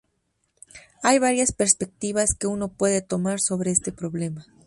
Hay varias perspectivas que uno puede tomar sobre este problema.